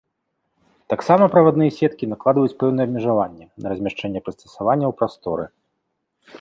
Таксама правадныя сеткі накладваюць пэўныя абмежаванні на размяшчэнне прыстасаванняў у прасторы.